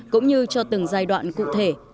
cũng như cho từng giai đoạn cụ thể